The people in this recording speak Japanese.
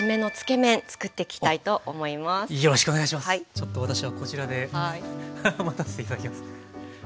ちょっと私はこちらで待たせて頂きます。